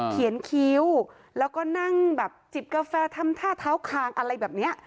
คิ้วแล้วก็นั่งแบบจิบกาแฟทำท่าเท้าคางอะไรแบบนี้